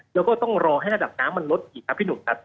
แล้วก็ต้องรอให้ระดับน้ำมันลดอีกครับพี่หนุ่มครับ